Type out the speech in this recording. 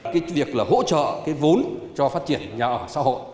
cái việc là hỗ trợ cái vốn cho phát triển nhà ở xã hội